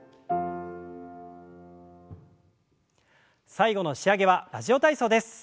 最後の仕上げは「ラジオ体操」です。